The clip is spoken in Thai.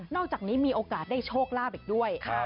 อกจากนี้มีโอกาสได้โชคลาภอีกด้วย